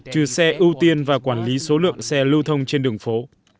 trừ xe ưu tiên và quản lý số lượng xe lưu thông trên đường phố